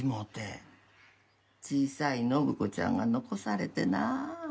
小さい展子ちゃんが残されてなあ。